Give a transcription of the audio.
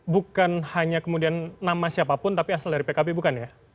bukan hanya kemudian nama siapapun tapi asal dari pkb bukan ya